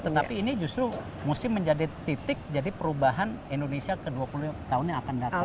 tetapi ini justru mesti menjadi titik jadi perubahan indonesia ke dua puluh tahun yang akan datang